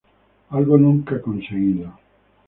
Algo nunca conseguido.